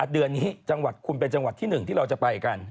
เดือนนี้คุณเป็นจังหวัดที่หนึ่งที่เราจะไปกัน